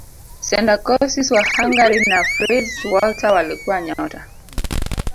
sendor Kocsis wa Hungary na Ftritz Walter walikuwa nyota